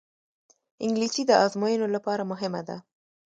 انګلیسي د ازموینو لپاره مهمه ده